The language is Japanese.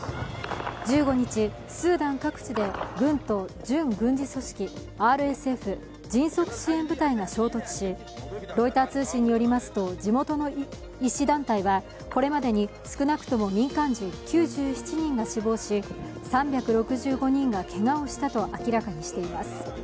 １５日、スーダン各地で軍と準軍事組織ＲＳＦ＝迅速支援部隊が衝突し、ロイター通信によりますと、地元の医師団体はこれまでに少なくとも民間人９７人が死亡し３６５人がけがをしたと明らかにしています。